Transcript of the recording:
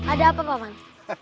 ada apa pak man